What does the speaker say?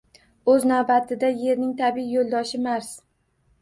Oʻz navbatida Yerning tabiiy yoʻldoshi Mars